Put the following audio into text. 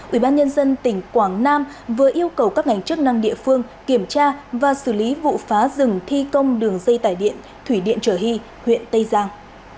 ủy ban nhân dân tỉnh quảng nam vừa yêu cầu các ngành chức năng địa phương kiểm tra và xử lý vụ phá rừng thi công đường dây tải điện thủy điện trở hy huyện tây giang